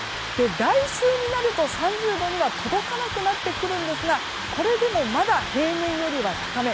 来週になると３０度には届かなくなってきますがこれでもまだ平年よりは高め。